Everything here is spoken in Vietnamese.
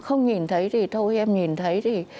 không nhìn thấy thì thôi em nhìn thấy thì